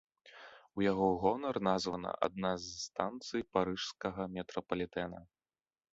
У яго гонар названа адна з станцый парыжскага метрапалітэна.